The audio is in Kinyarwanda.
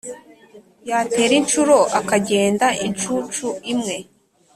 Yatera inshuro akagenda inshucu imwe;